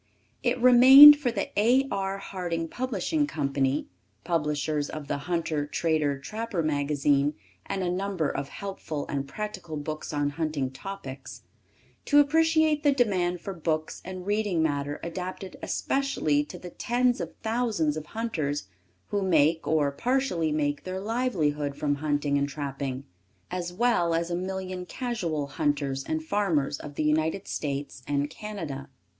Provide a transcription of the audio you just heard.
It remained for the A. R. Harding Publishing Co. (publishers of the Hunter Trader Trapper magazine and a number of helpful and practical books on hunting topics), to appreciate the demand for books and reading matter adapted especially to the tens of thousands of hunters who make, or partially make, their livelihood from hunting and trapping, as well as a million casual hunters and farmers of the United States and Canada.